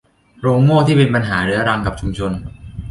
โรงโม่ที่เป็นปัญหาเรื้อรังกับชุมชน